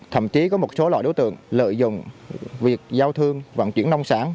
thậm chí có một số loại đối tượng lợi dụng việc giao thương vận chuyển nông sản